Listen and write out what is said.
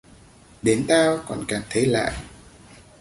đến tao còn cảm thấy lạ